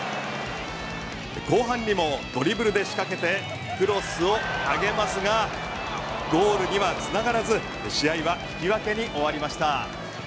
後半にもドリブルで仕掛けてクロスを上げますがゴールには繋がらず試合は引き分けに終わりました。